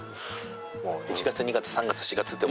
もう１月２月３月４月って。